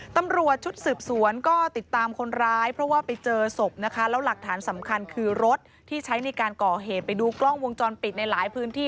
ตำรวจชุดสืบสวนก็ติดตามคนร้ายเพราะว่าไปเจอศพนะคะแล้วหลักฐานสำคัญคือรถที่ใช้ในการก่อเหตุไปดูกล้องวงจรปิดในหลายพื้นที่